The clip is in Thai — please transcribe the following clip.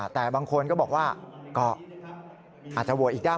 แต่บางคนก็บอกว่าก็อาจจะโหวตอีกด้าน